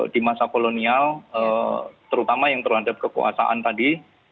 di masa kolonial terutama yang terhadap kekuasaan tadi